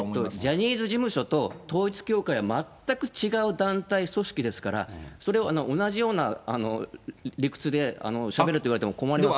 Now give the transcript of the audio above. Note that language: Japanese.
ジャニーズ事務所と統一教会は全く違う団体組織ですから、それを同じような理屈でしゃべると言われても困りますね。